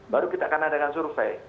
baru kita akan adakan survei